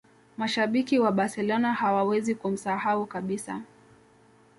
mashabiki wa barcelona hawawezi kumsahau kabisa